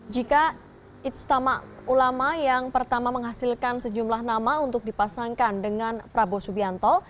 jika istimewa ulama yang pertama menghasilkan sejumlah nama untuk dipasangkan dengan prabowo subianto